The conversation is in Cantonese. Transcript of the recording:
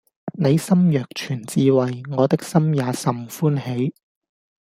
你心若存智慧，我的心也甚歡喜